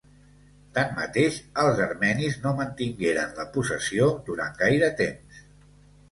Tanmateix, els armenis no mantingueren la possessió durant gaire temps.